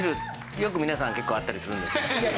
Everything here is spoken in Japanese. よく皆さん結構あったりするんですけどこれは。